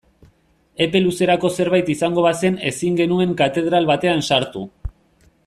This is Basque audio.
Epe luzerako zerbait izango bazen ezin genuen katedral batean sartu.